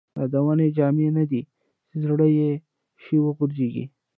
یادونه جامې نه دي ،چې زړې شي وغورځيږي